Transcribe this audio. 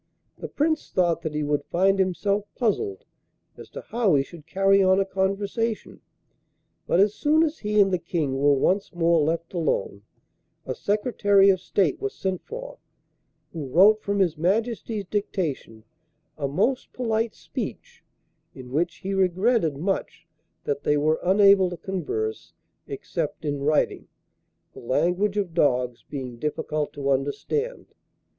The Prince thought that he would find himself puzzled as to how he should carry on a conversation, but as soon as he and the King were once more left alone, a Secretary of State was sent for, who wrote from his Majesty's dictation a most polite speech, in which he regretted much that they were unable to converse, except in writing, the language of dogs being difficult to understand.